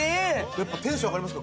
やっぱテンション上がりますか？